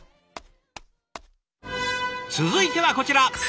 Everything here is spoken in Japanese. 続いてはこちら。